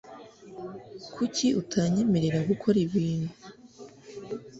Kuki utanyemerera gukora ibintu?